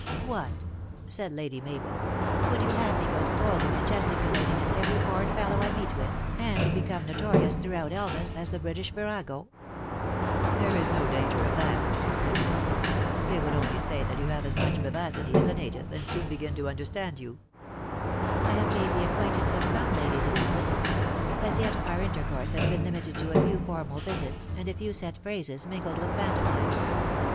"What!" said Lady Mabel. "Would you have me go scolding and gesticulating at every foreign fel low I meet with, and become notorious throughout Elvas as the British virago ?" "There is no danger of that," said L Isle. "They would only say that you have as much vivacity as a native, and soon begin to understand you." THE ACTRESS IN HIGH LIFE. 55 " I have made the acquaintance of some ladies of Elvas. As yet our intercourse has been limited to a few formal visits, and a few set phrases mingled with pantomime.